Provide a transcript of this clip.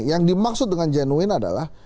yang dimaksud dengan genuin adalah